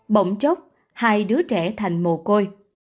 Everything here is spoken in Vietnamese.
bỗng chốc hai đứa trẻ thành mồ côi